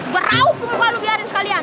gue rawp muka lu biarin sekalian